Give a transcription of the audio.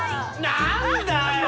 何だよ